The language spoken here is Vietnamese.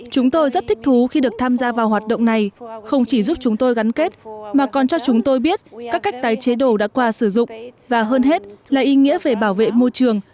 chúng tôi rất thích thú khi được tham gia vào hoạt động này không chỉ giúp chúng tôi gắn kết mà còn cho chúng tôi biết các cách tái chế đồ đã qua sử dụng và hơn hết là ý nghĩa về bảo vệ môi trường